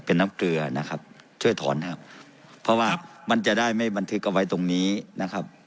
เพราะว่ามันจะได้ไม่บันทึกเอาไว้ตรงนี้นะครับ